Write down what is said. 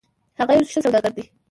هغه یو ښه سوداګر ده